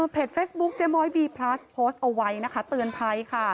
เฟซบุ๊คเจ๊ม้อยบีพลัสโพสต์เอาไว้นะคะเตือนภัยค่ะ